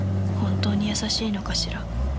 本当に優しいのかしら。